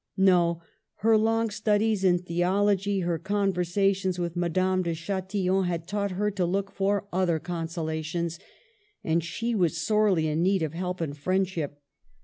No; her long studies in theology, her conversations with Madame de Chatillon, had taught her to look for other consolations. And she was sorely in need of help and friendship.